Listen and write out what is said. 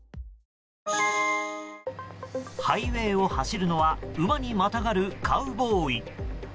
ハイウェーを走るのは馬にまたがるカウボーイ。